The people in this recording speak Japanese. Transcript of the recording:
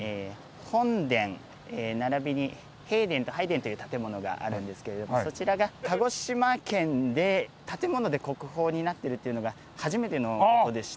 本殿並びに幣殿と拝殿という建物があるんですけれどもそちらが鹿児島県で建物で国宝になってるというのが初めての事でして。